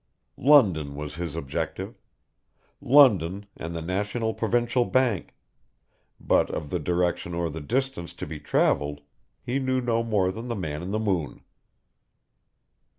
London was his objective. London and the National Provincial Bank, but of the direction or the distance to be travelled, he knew no more than the man in the moon.